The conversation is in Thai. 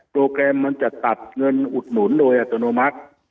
แกรมมันจะตัดเงินอุดหนุนโดยอัตโนมัติ